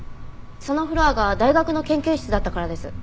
そのフロアが大学の研究室だったからです。